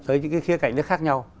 tới những cái khía cạnh khác nhau